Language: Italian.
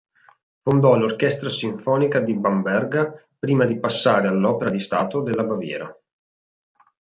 Fondò l'Orchestra sinfonica di Bamberga prima di passare all'Opera di Stato della Baviera.